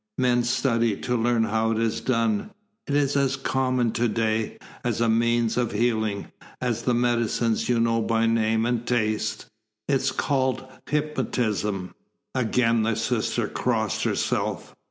Men study to learn how it is done; it is as common to day, as a means of healing, as the medicines you know by name and taste. It is called hypnotism." Again the sister crossed herself.